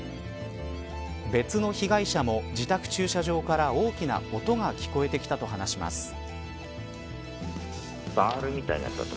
別の被害者も自宅駐車場から大きな音が聞こえてきたと話します。